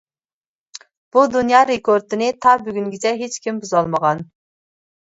بۇ دۇنيا رېكورتىنى تا بۈگۈنگىچە ھېچكىم بۇزالمىغان.